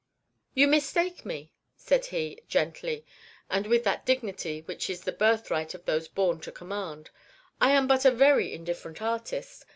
"You mistake me," said he, gently, and with that dignity which is the birthright of those born to command. "I am but a very indifferent artist.